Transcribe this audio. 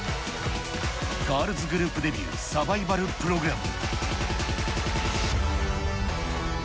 ガールズグループデビューサバイバルプログラム。